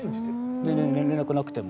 全然連絡なくても。